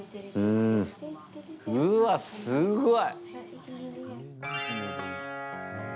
うわっ、すごい！